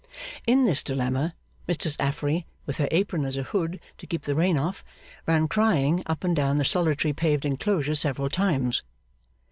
In this dilemma, Mistress Affery, with her apron as a hood to keep the rain off, ran crying up and down the solitary paved enclosure several times.